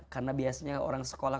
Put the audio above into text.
karena biasanya orang sekolah